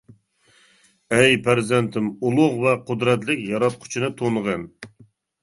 ئەي پەرزەنتىم، ئۇلۇغ ۋە قۇدرەتلىك ياراتقۇچىنى تونۇغىن.